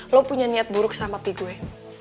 lo punya niat buruk sama peak gue